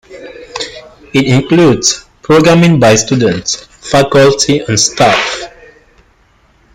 It includes programming by students, faculty and staff.